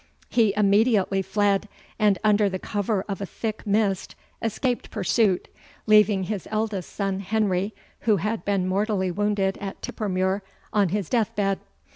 He immediately fled, and under the cover of a thick mist escaped pursuit, leaving his eldest son Henry, who had been mortally wounded at Tippermuir, on his deathbed.